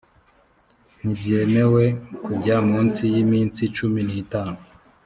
ntibyemewe kujya munsi y ‘iminsi cumi n’ itanu.